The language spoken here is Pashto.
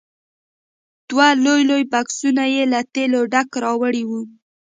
دوه لوی لوی بکسونه یې له تېلو ډک راوړي وو.